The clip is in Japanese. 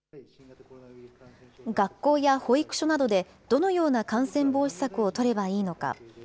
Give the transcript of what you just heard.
学校や保育所などでどのような感染防止策を取ればいいのか。